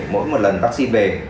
mỗi một lần vaccine về